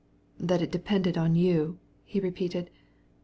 "That it depended on you," he repeated.